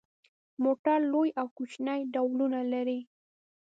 موټر لوی او کوچني ډولونه لري.